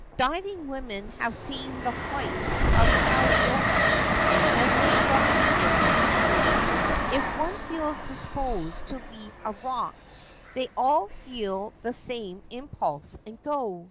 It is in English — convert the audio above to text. Diving women have seen the c flight ' of haliotis and described it to me. If one feels disposed to leave a rock, they all feel the same impulse and go.